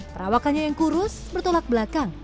perawakannya yang kurus bertolak belakang